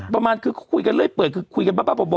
ประมาณคือคุยกันเลยเปิดคือคุยกันบ้าบ่ออยู่แล้ว